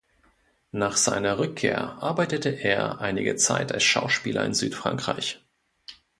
Nach seiner Rückkehr arbeitete er einige Zeit als Schauspieler in Südfrankreich.